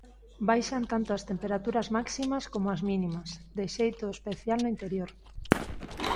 Baixan tanto as temperaturas máximas como as mínimas, de xeito especial no interior.